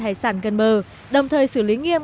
hải sản gần bờ đồng thời xử lý nghiêm